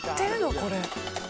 これ。